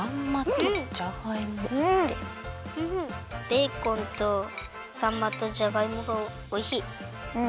ベーコンとさんまとじゃがいもがおいしい。